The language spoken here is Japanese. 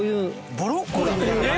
ブロッコリーみたいな感じ。